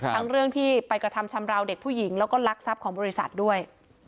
เรื่องที่ไปกระทำชำราวเด็กผู้หญิงแล้วก็ลักทรัพย์ของบริษัทด้วย